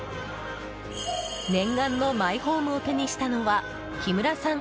念願のマイホームを手にしたのは木村さん